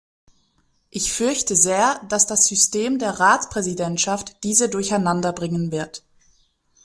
Ich fürchte sehr, dass das System der Ratspräsidentschaft diese durcheinander bringen wird.